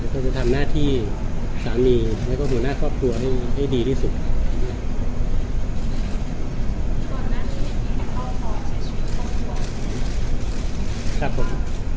ก็จะทำหน้าที่สามีแล้วก็หัวหน้าครอบครัวให้ให้ดีที่สุด